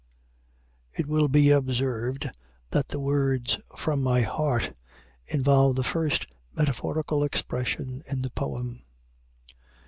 '" It will be observed that the words, "from out my heart," involve the first metaphorical expression in the poem.